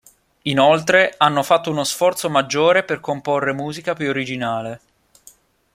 Inoltre, hanno fatto uno sforzo maggiore per comporre musica più originale.